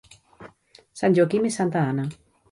Sant Joaquim i santa Anna.